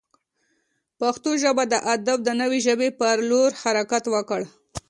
پښتو ژبه د ادب د نوې ژبې پر لور حرکت وکړي.